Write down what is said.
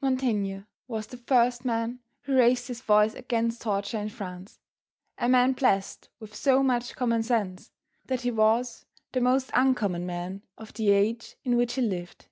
Montaigne was the first man who raised his voice against torture in France; a man blessed with so much common sense, that he was the most uncommon man of the age in which he lived.